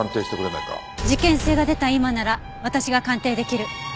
事件性が出た今なら私が鑑定出来る。